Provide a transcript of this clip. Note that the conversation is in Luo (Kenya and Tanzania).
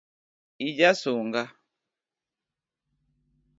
Ija sunga.